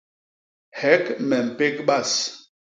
Hek me mpék bas.